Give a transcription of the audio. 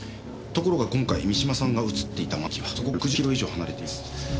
ところが今回三島さんが映っていた間宮駅はそこから６０キロ以上離れています。